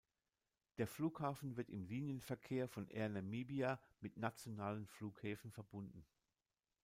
Der Flughafen wird im Linienverkehr von Air Namibia mit nationalen Flughäfen verbunden.